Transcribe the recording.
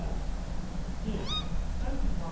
Yes, that is the term.